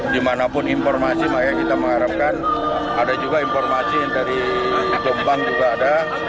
dimanapun informasi makanya kita mengharapkan ada juga informasi dari jombang juga ada